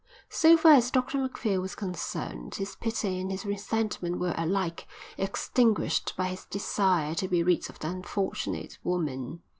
So far as Dr Macphail was concerned, his pity and his resentment were alike extinguished by his desire to be rid of the unfortunate woman.